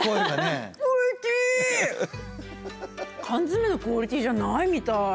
缶詰のクオリティーじゃないみたい。